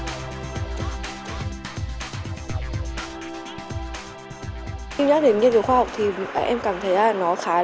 ờ trong số đó thực hiện nghiên cứu khoa học